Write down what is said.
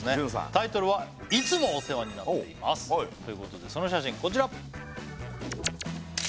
タイトルは「いつもお世話になっています」ということでその写真こちらほっ？